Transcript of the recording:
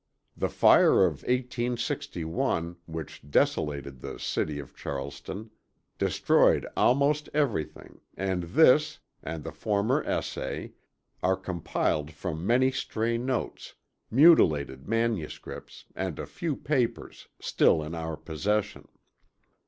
The fire of 1861, which desolated the city of Charleston, destroyed almost everything, and this, and the former essay, are compiled from many stray notes, mutilated manuscripts and a few papers, still in our possession.